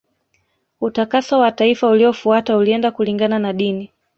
Utakaso wa taifa uliofuata ulienda kulingana na dini